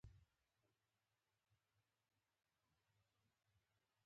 په هغه شپه جنرال ستولیتوف ته ټلګرام ورسېد.